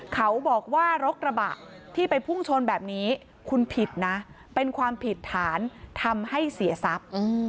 เขาบอกว่ารถกระบะที่ไปพุ่งชนแบบนี้คุณผิดนะเป็นความผิดฐานทำให้เสียทรัพย์